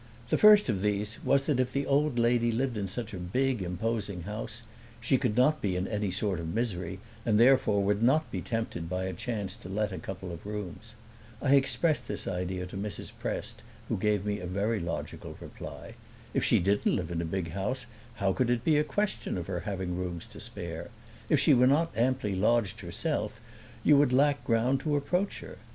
The first of these was that if the old lady lived in such a big, imposing house she could not be in any sort of misery and therefore would not be tempted by a chance to let a couple of rooms. I expressed this idea to Mrs. Prest, who gave me a very logical reply. "If she didn't live in a big house how could it be a question of her having rooms to spare? If she were not amply lodged herself you would lack ground to approach her.